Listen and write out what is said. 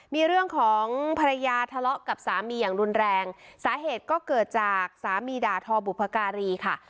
มีเรื่องของภรรยาทะเลาะกับสามีอย่างรุนแรงสาเหตุก็เกิดจากสามีด่าทอบุพการีค่ะ